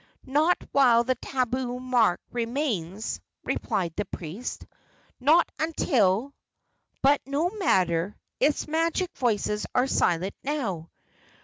"Not while the tabu mark remains," replied the priest; "not until but no matter; its magic voices are silent now."